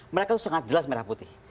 mereka sangat jelas merah putih